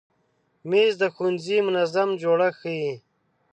مېز د ښوونځي منظم جوړښت ښیي.